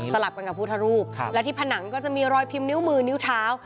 ลับกันกับพุทธรูปและที่ผนังก็จะมีรอยพิมพ์นิ้วมือนิ้วเท้า